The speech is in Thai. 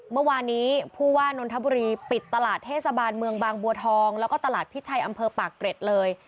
เมื่อวานนี้ผู้ว่านนทบุรีปิดตลาดเทศบาลเมืองบางบัวทองแล้วก็ตลาดพิชัยอำเภอปากเกร็ดเลย